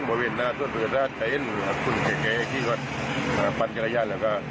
ก็เลยทำให้นี่ทันเลยขึ้นมา